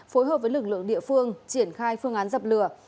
phối hợp với lực lượng địa phương triển khai phương án dập lửa